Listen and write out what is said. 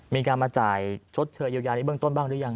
มีการมาจ่ายชดเชยเยียวยาในเบื้องต้นบ้างหรือยัง